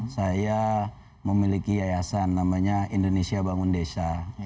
saya memiliki yayasan namanya indonesia bangun desa